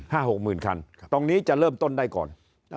หกหมื่นคันตรงนี้จะเริ่มต้นได้ก่อน